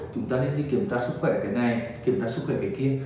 chúng ta nên đi kiểm tra sức khỏe cái này kiểm tra sức khỏe cái kia